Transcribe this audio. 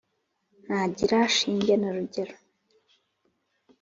ntagira shinge na rugero